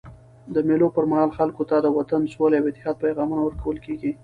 د مېلو پر مهال خلکو ته د وطن، سولي او اتحاد پیغامونه ورکول کېږي.